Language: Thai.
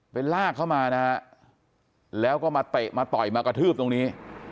ลากเข้ามานะฮะแล้วก็มาเตะมาต่อยมากระทืบตรงนี้